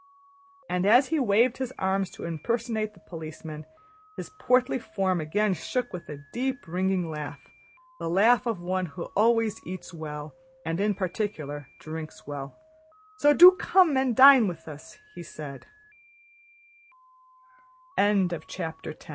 And as he waved his arms to impersonate the policeman, his portly form again shook with a deep ringing laugh, the laugh of one who always eats well and, in particular, drinks well. "So do come and dine with us!" he said. CHAPTER XI Silence ensued.